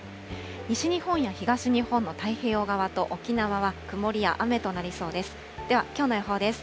西日本や東日本の太平洋側と沖縄は曇りや雨となりそうです。